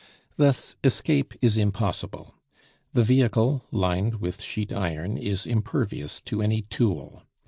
Thus escape is impossible. The vehicle, lined with sheet iron, is impervious to any tool.